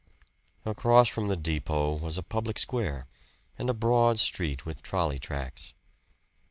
Across from the depot was a public square, and a broad street with trolley tracks.